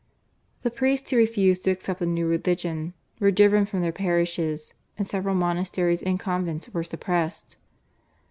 The priests who refused to accept the new religion were driven from their parishes, and several monasteries and convents were suppressed.